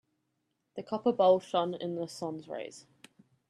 The copper bowl shone in the sun's rays.